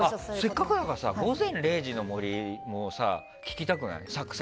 せっかくだからさ「午前０時の森」も聞きたくない？